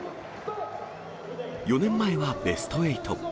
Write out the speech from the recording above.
４年前はベスト８。